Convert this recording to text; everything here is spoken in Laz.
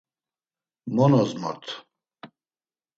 Mo nozmort.